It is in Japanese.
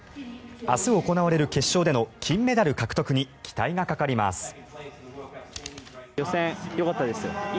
明日行われる決勝での金メダル獲得に期待がかかります。